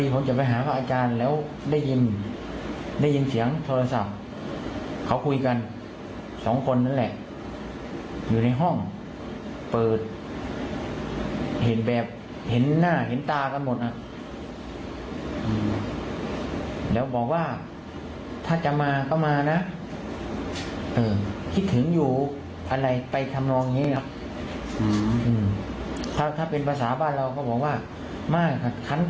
ถ้าเป็นภาษาบ้านเราก็บอกว่ามาคันที่มากคือห่วงอยู่นะครับ